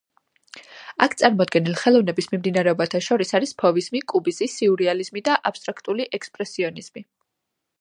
აქ წარმოდგენილ ხელოვნების მიმდინარეობათა შორის არის ფოვიზმი, კუბიზმი, სიურრეალიზმი და აბსტრაქტული ექსპრესიონიზმი.